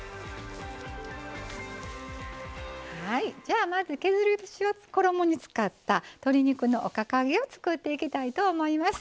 じゃあまず削り節を衣に使った鶏肉のおかか揚げを作っていきたいと思います。